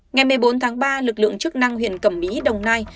ngày một mươi bốn tháng ba lực lượng chức năng huyện cẩm mỹ đồng nai